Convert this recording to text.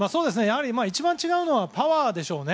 一番違うのはパワーでしょうね。